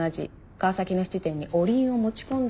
川崎の質店にお鈴を持ち込んだのも。